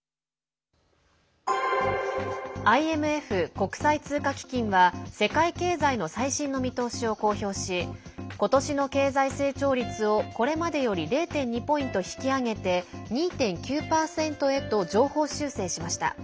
ＩＭＦ＝国際通貨基金は世界経済の最新の見通しを公表し今年の経済成長率をこれまでより０．２ポイント引き上げて２．９％へと上方修正しました。